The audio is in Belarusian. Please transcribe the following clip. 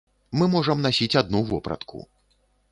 Мы можам насіць адну вопратку.